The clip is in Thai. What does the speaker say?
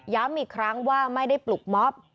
อีกครั้งว่าไม่ได้ปลุกม็อบ